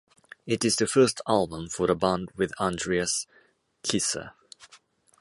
It is the first album for the band with Andreas Kisser.